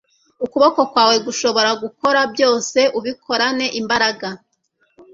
ukuboko kwawe gushobora gukora byose ubikorane imbaraga